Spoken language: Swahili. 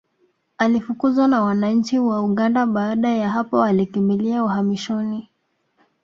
Alifukuzwa na wananchi wa Uganda baada ya hapo alikimbilia uhamishoni